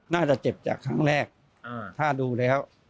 น่าจะเจ็บจากครั้งแรกถ้าดูแล้ว